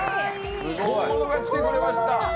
本物が来てくれました。